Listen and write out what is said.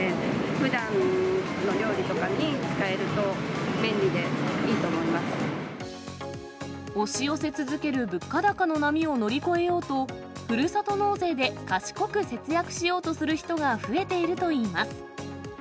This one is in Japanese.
ふだんの料理とかに使えると、押し寄せ続ける物価高の波を乗り越えようと、ふるさと納税で賢く節約しようとする人が増えているといいます。